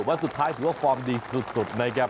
แต่ว่าสุดท้ายถือว่าฟอร์มดีสุดนะครับ